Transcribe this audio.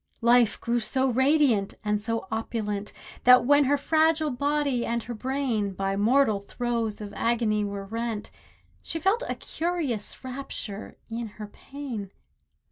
Life grew so radiant, and so opulent, That when her fragile body and her brain By mortal throes of agony were rent, She felt a curious rapture in her pain.